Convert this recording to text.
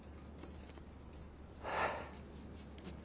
はあ。